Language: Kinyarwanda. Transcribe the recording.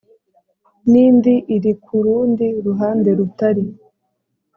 n indi iri ku rundi ruhande rutari